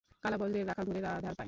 কালা ব্রজের রাখাল ধরে রাধার পায়।